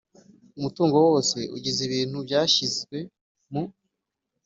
umutungo wose ugize ibintu byashyizwe mu